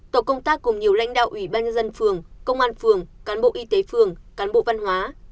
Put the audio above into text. tổ công tác cùng nhiều lãnh đạo ủy ban nhân dân phường công an phường cán bộ y tế phường cán bộ văn hóa